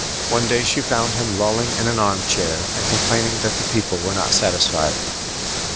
One day she found him lolling in an arm chair and complaining that the people were not satisfied.